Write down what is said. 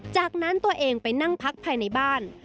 จากนั้นตัวเองไปนั่งพักภายในบ้าน